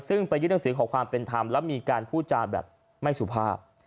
ซึ่งไปยื่นหนังสือขอความเป็นธรรมแล้วมีการพูดจาแบบไม่สุภาพ